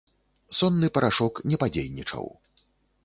Сонны парашок не падзейнічаў.